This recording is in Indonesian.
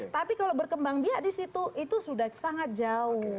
tapi kalau berkembang biak di situ itu sudah sangat jauh